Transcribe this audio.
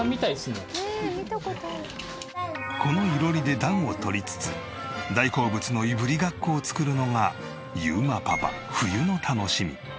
この囲炉裏で暖をとりつつ大好物のいぶりがっこを作るのが裕磨パパ冬の楽しみ。